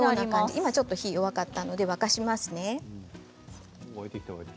今ちょっと火が弱かったので沸かしますね。